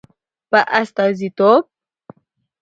په استازیتوب